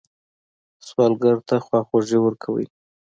سوالګر ته خواخوږي ورکوئ